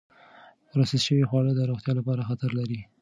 پروسس شوې خواړه د روغتیا لپاره خطر لري.